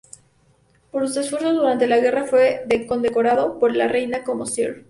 Por sus esfuerzos durante la guerra fue condecorado por la reina como "Sir".